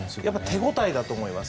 手応えだと思います。